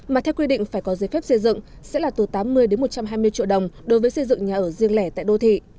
mà theo quy định phải có giấy phép xây dựng sẽ là từ tám mươi một trăm hai mươi triệu đồng đối với xây dựng nhà ở riêng lẻ tại đô thị